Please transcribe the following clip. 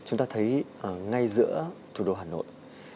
chúng ta thấy ngay giữa thủ đô hà nội